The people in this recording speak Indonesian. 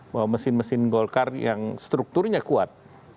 bahwa mesin mesin golkar yang strukturnya kuat